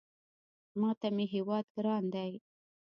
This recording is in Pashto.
ماته مې هېواد ګران دی